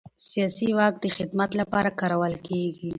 سیاسي واک د خدمت لپاره کارول کېږي